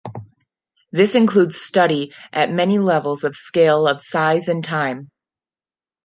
This includes study at many levels of scale of size and time.